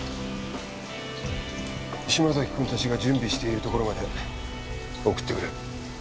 島崎くんたちが準備している所まで送ってくれ。